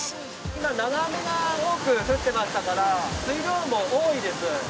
今長雨が多く降ってましたから水量も多いです。